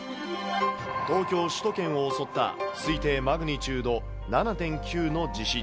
東京首都圏を襲った、推定マグニチュード７．９の地震。